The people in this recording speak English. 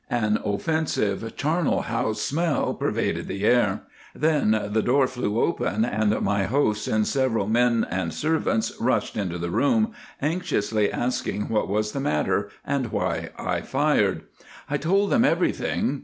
An offensive charnel house smell pervaded the air. Then the door flew open, and my host and several men and servants rushed into the room, anxiously asking what was the matter, and why I fired? I told them everything.